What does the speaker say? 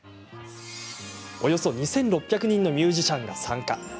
およそ２６００人のミュージシャンが参加。